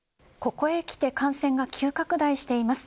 ここへきて感染が急拡大しています。